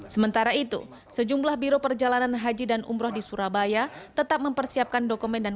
sementara itu sejumlah biro perjalanan haji dan umroh di surabaya tetap mempersiapkan dokumen dan